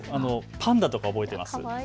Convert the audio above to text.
パンダとか覚えています。